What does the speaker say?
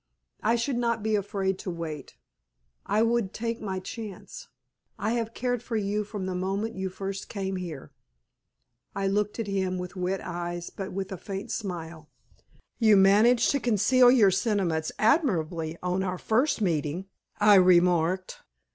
I should not be afraid to wait. I would take my chance. I have cared for you from the moment you first came here." I looked up at him with wet eyes, but with a faint smile. "You managed to conceal your sentiments admirably on our first meeting," I remarked.